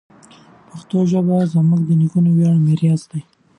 پښتو ژبه زموږ د نیکونو ویاړلی میراث ده.